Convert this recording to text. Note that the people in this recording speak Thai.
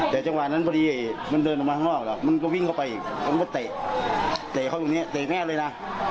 แต่จังหวะนั้นเบอร์ดีมันเดินออกมาารอกไม๊มันก็วิ่งเข้าไปผมว่าเตะเตะเขาอยู่เนี่ยเตะแม่เลยนะ